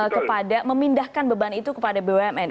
kepada memindahkan beban itu kepada bumn